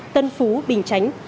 tân phú bình chánh